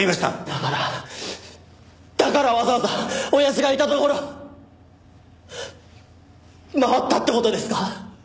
だからだからわざわざ親父がいた所回ったって事ですか？